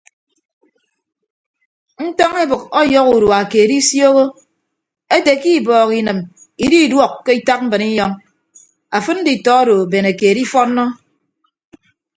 Ntọñ ebʌk ọyọhọ udua keed isioho ete ke ibọọk inịm ididuọk ke itak mbrinyọñ afịd nditọ odo bene keed ifọnnọ.